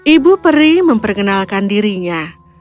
ibu peri memperkenalkan dirinya